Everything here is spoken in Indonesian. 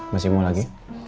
masih mau lagi